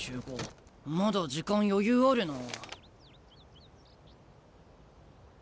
まだ時間余裕あるな。